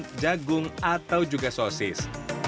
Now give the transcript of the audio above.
seperti jagung atau juga sosis